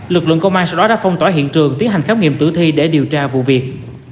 lực lượng công an sau đó đã phong tỏa hiện trường tiến hành khám nghiệm tử thi để điều tra vụ việc